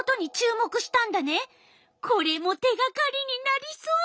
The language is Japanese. これも手がかりになりそう！